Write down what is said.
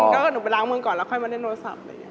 หนูกินก็หนูไปล้างมือก่อนแล้วค่อยมาในโนโลศัพท์